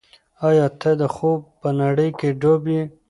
ایا ته د خوب په نړۍ کې ډوب یې؟